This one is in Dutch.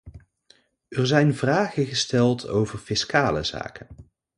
Er zijn vragen gesteld over fiscale zaken.